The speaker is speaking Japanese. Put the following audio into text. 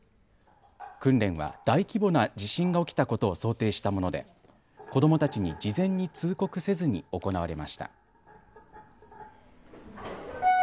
訓練は大規模な地震が起きたことを想定したもので子どもたちに事前に通告せずに行われました。